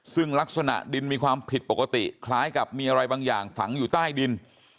ซึ่งลักษณะดินมีความผิดปกติคล้ายกับมีอะไรบางอย่างฝังอยู่ใต้ดิน